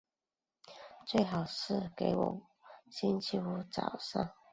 最好是给我在星期五早上